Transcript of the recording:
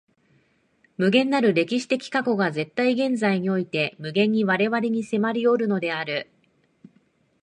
無限なる歴史的過去が絶対現在において無限に我々に迫りおるのである。